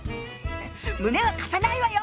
胸は貸さないわよ！